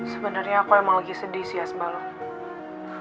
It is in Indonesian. sebenernya aku emang lagi sedih sih es balok